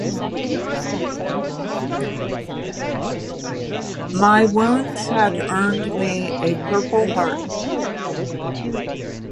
My wounds had earned me a Purple Heart.